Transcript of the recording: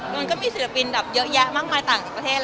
มันก็มีศิลปินแบบเยอะแยะมากมายต่างประเทศ